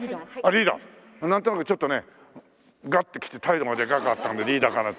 なんとなくちょっとねガッと来て態度がでかかったんでリーダーかな。